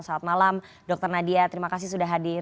selamat malam dr nadia terima kasih sudah hadir